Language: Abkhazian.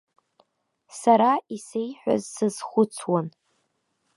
Сара исеиҳәаз сазхәыцуан.